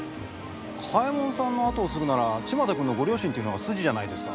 嘉右衛門さんの跡を継ぐなら千万太君のご両親というのが筋じゃないですか。